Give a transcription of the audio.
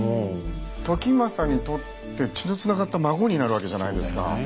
時政にとって血のつながった孫になるわけじゃないですか。